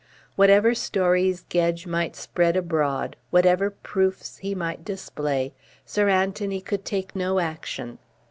Whatever stories Gedge might spread abroad, whatever proofs he might display, Sir Anthony could take no action.